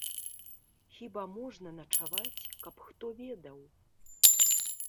Хіба можна начаваць, каб хто ведаў!